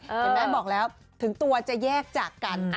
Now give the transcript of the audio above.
เห็นไหมบอกแล้วถึงตัวจะแยกจากกัน